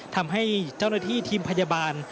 ทำให้เจ้าหน้าที่ทีมพยาบาล